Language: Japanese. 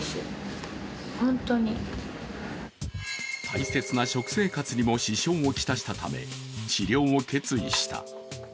大切な食生活にも支障を来したため、治療を決意した。